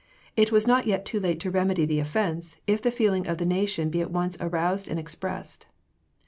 It was not yet too late to remedy the offence "if the feeling of the nation be at once aroused and expressed."